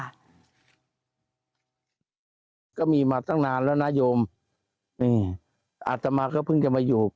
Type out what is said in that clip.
ก็มีมาตั้งนานแล้วนะโยมนี่อาตมาก็เพิ่งจะมาอยู่